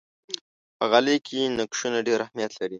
په غالۍ کې نقشونه ډېر اهمیت لري.